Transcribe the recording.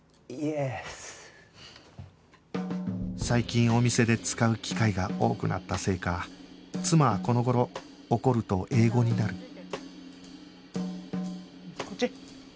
最近お店で使う機会が多くなったせいか妻はこの頃怒ると英語になる